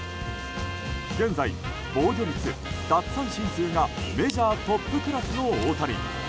現在、防御率、奪三振数がメジャートップクラスの大谷。